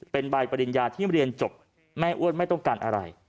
เป็นใบปริญญาที่เรียนจบแม่อ้วนไม่ต้องการอะไร